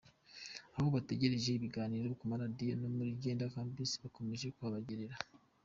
Aho batagejeje, ibiganiro ku ma Radiyo no muri gender campus bakomeje kuhabagarera.